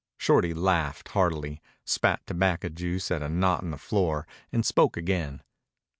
Shorty laughed hardily, spat tobacco juice at a knot in the floor, and spoke again.